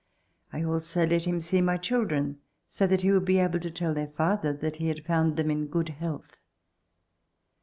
I also let him see my children so that he would be able to tell their father that he had found them in good health.